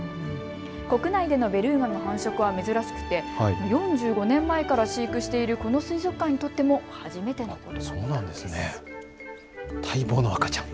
国内でのベルーガの繁殖は珍しく４５年前から飼育しているこの水族館にとっても初めてのことです。